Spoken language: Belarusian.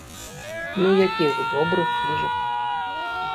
Ну якіх, добрых кніжак.